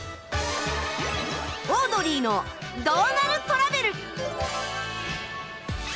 『オードリーのどうなるトラベル』。